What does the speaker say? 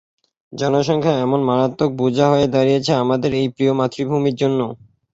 জনসংখ্যা এমন মারাত্মক বোঝা হয়ে দাঁড়িয়েছে আমাদের এই প্রিয় মাতৃভূমির জন্য।